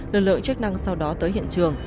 lực lượng chức năng sau đó tới hiện trường